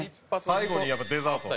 最後にやっぱデザート。